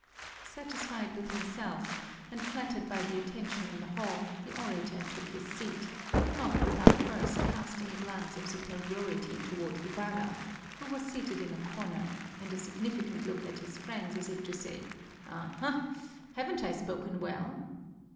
Satisfied with himself and flattered by the attention in the hall, the orator took his seat, not without first casting a glance of superiority toward Ibarra, who was seated in a corner, and a significant look at his friends as if to say, "Aha! Haven't I spoken well?"